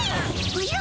おじゃ？